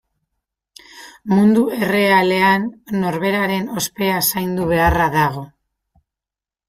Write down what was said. Mundu errealean norberaren ospea zaindu beharra dago.